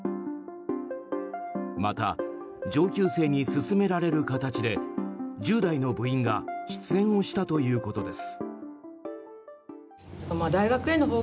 また、上級生に勧められる形で１０代の部員が喫煙をしたということです。